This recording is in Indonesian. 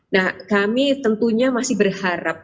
nah kami tentunya masih berharap